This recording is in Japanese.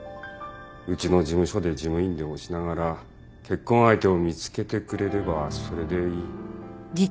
うちの事務所で事務員でもしながら結婚相手を見つけてくれればそれでいい。